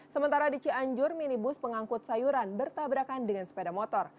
sementara di cianjur minibus pengangkut sayuran bertabrakan dengan sepeda motor